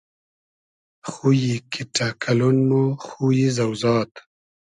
خویی کیݖݖۂ کئلۉن مۉ خویی زۆزاد